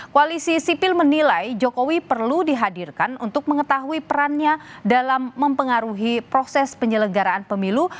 koalisi sipil menilai jokowi perlu dihadirkan untuk mengetahui perannya dalam mempengaruhi proses penyelenggaraan pemilu